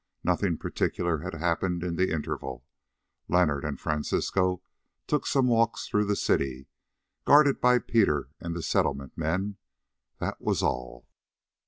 Nothing particular had happened in the interval: Leonard and Francisco took some walks through the city, guarded by Peter and the Settlement men; that was all.